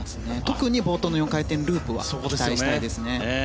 特に冒頭の４回転ループは期待したいですね。